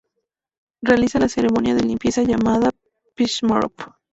Realiza la ceremonia de limpieza llamada "pishimarөp".